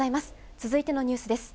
続いてのニュースです。